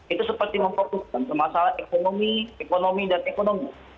itu seperti memfokuskan masalah ekonomi ekonomi dan ekonomi